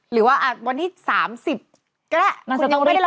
หรือว่าวันที่๓๐ก็ได้